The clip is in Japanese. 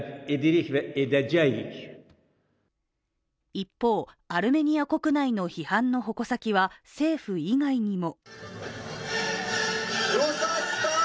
一方、アルメニア国内の批判の矛先は政府以外にも。